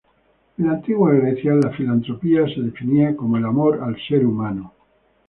En la antigua Grecia la filantropía se definía como el "amor al ser humano".